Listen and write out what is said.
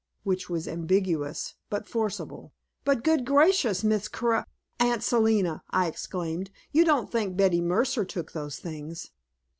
Which was ambiguous, but forcible. "But, good gracious, Miss Car Aunt Selina!" I exclaimed, "you don't think Betty Mercer took those things?"